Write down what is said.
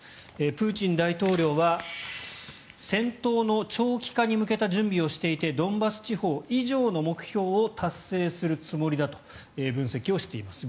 プーチン大統領は戦闘の長期化に向けた準備をしていてドンバス地方以上の目標を達成するつもりだと分析しています。